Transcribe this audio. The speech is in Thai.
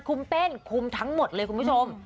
เต้นคุมทั้งหมดเลยคุณผู้ชม